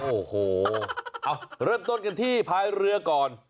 โอ้โหเอาเริ่มต้นกันที่พายเรือก่อน